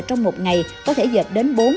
trong một ngày có thể dệt đến bốn